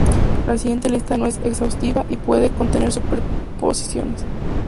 La siguiente lista no es exhaustiva y puede contener superposiciones.